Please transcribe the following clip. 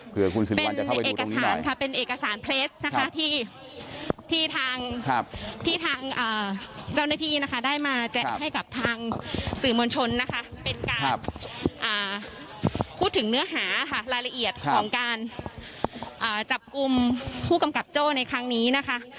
เป็นเอกสารเพล็ดที่ทางเจ้าหน้าที่ได้มาแจกให้กับทางสื่อมนต์ชนเป็นการพูดถึงเนื้อหารายละเอียดของการจับกลุ่มผู้กำกับโจ้ในครั้งนี้นะคะ